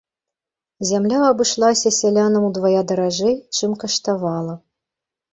Зямля абышлася сялянам удвая даражэй, чым каштавала.